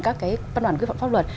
các cái văn đoạn quy phạm pháp luật